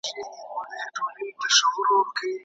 هغې وویل ازموینې لا هم روانې دي.